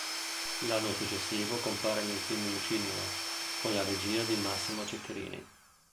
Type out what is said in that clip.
L'anno successivo compare nel film "Lucignolo", con la regia di Massimo Ceccherini.